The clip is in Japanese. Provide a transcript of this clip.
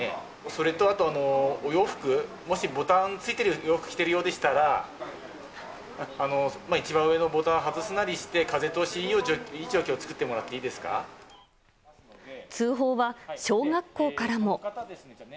それとあと、お洋服、もしボタンついてる洋服着ているようでしたら、一番上のボタン外すなりして、風通しのいい状況を作ってもらっ通報は、小学校からも。